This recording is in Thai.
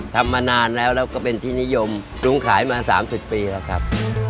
ทำมานานแล้วแล้วก็เป็นที่นิยมปรุงขายมา๓๐ปีแล้วครับ